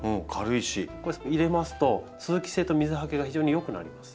これ入れますと通気性と水はけが非常に良くなります。